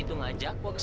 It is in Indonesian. lu itu ngajak gua kesini